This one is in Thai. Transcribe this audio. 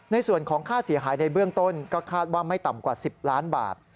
ในส่วนของค่าเสียหายในเบื้องต้นก็คาดว่าไม่ต่ำกว่า๑๐ล้านบาท